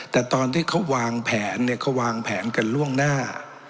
แต่ตอนที่เขาวางแผนเนี่ยเขาวางแผนกันล่วงหน้า